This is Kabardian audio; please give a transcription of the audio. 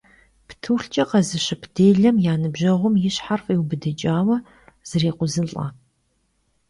Ptulhç'e khezışıp dêlem ya nıbjeğum yi şher f'iubıdıç'aue zrêkhuzılh'e.